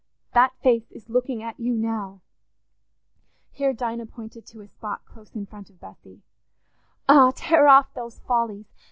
That face is looking at you now"—here Dinah pointed to a spot close in front of Bessy—"Ah, tear off those follies!